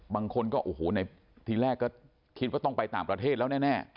บางคนก็โอ้โหในทีแรกก็คิดว่าต้องไปต่างประเทศแล้วแน่